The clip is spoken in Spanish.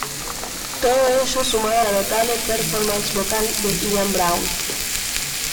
Todo ello sumado a la notable performance vocal de Ian Brown.